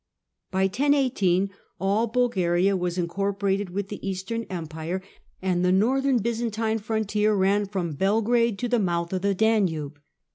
By 1018 all Bulgaria was incorporated with the Eastern Empire, and the northern Byzantine frontier ran from Belgrade to the mouth of the Danube.